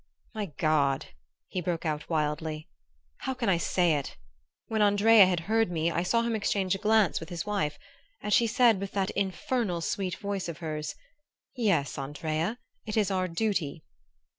"My God!" he broke out wildly, "how can I say it? When Andrea had heard me, I saw him exchange a glance with his wife, and she said with that infernal sweet voice of hers, 'Yes, Andrea, it is our duty.